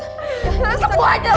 semuanya semuanya sakit